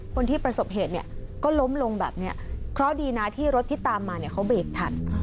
คนที่ประสบเหตุเนี่ยก็ล้มลงแบบนี้เพราะดีนะที่รถที่ตามมาเนี่ยเขาเบรกทัน